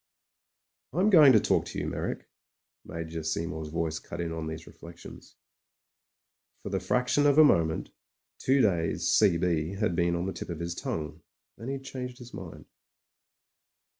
"Fm going to talk to you, Meyrick." Major Sesrmour's voice cut in on these reflections. For the fraction of a moment "Two days C.B." had been on the tip of his tongue, and then he'd changed his mind.